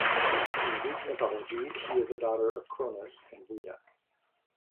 In Greek mythology, she is a daughter of Cronus and Rhea.